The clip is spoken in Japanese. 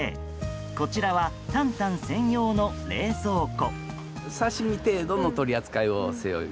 こちらはタンタン専用の冷蔵庫。